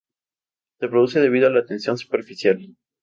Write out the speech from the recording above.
Se produce debido a la tensión superficial.